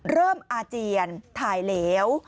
อาเจียนถ่ายเหลว